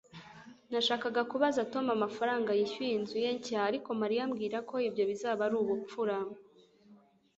Nashakaga kubaza Tom amafaranga yishyuye inzu ye nshya ariko Mariya ambwira ko ibyo bizaba ari ubupfura